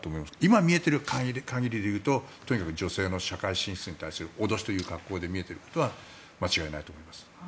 今、見えている限りで言うととにかく女性の社会進出に対する脅しという格好で見えていることは間違いないと思います。